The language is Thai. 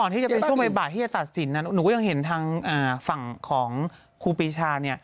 เพราะก่อนที่จะเป็นช่วงใบบาทที่จะตัดสินหนูก็ยังเห็นทางฝั่งของครูปีชานี่